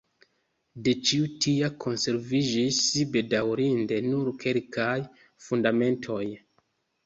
De ĉio tia konserviĝis bedaŭrinde nur kelkaj fundamentoj.